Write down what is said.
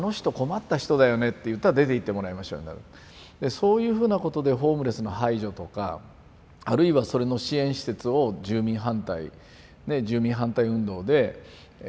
そういうふうなことでホームレスの排除とかあるいはそれの支援施設を住民反対住民反対運動で造らせないとか。